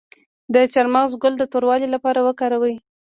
د چارمغز ګل د توروالي لپاره وکاروئ